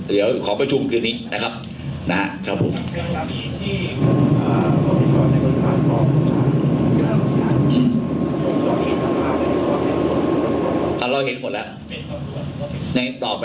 เดี๋ยวขอประชุมคืนนี้นะครับนะครับครับผม